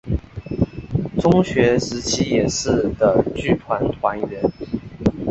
中学时期也是的剧团团员。